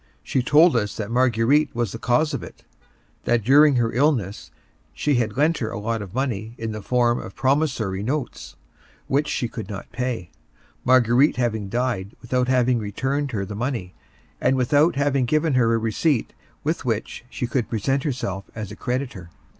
She told us that Marguerite was the cause of it; that during her illness she had lent her a lot of money in the form of promissory notes, which she could not pay, Marguerite having died without having returned her the money, and without having given her a receipt with which she could present herself as a creditor.